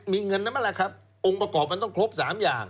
มีเงินนั้นแหละครับองค์ประกอบมันต้องครบ๓อย่าง